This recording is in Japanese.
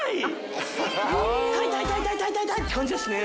って感じですね。